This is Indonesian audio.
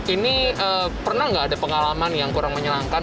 ini pernah nggak ada pengalaman yang kurang menyenangkan